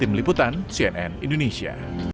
tim liputan cnn indonesia